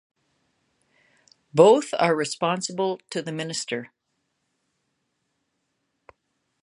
Both are responsible to the Minister.